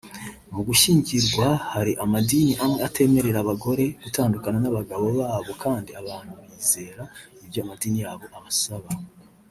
Mu gushyingirwa hari amadini amwe atemerera abagore gutandukana n’abagabo babo kandi abantu bizera ibyo amadini yabo abasaba